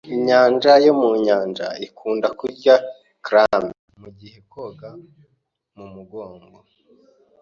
Inyanja yo mu nyanja ikunda kurya clam mugihe koga mumugongo.